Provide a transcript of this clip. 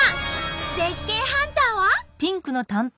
絶景ハンターは。